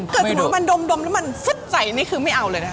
เกิดสิมันดมแล้วมันซึ๊บใสนี้คือไม่เอาเลยนะ